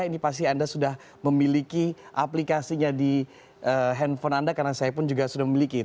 ini pasti anda sudah memiliki aplikasinya di handphone anda karena saya pun juga sudah memiliki